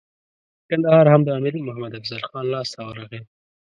کندهار هم د امیر محمد افضل خان لاسته ورغی.